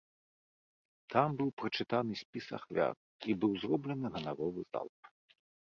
Там быў прачытаны спіс ахвяр і быў зроблены ганаровы залп.